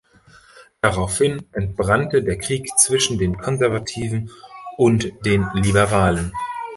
Daraufhin entbrannte der Krieg zwischen den Konservativen und den Liberalen.